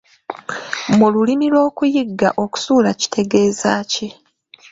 Mu lulimi lw’okuyigga okusula kitegeeza ki?